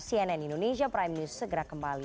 cnn indonesia prime news segera kembali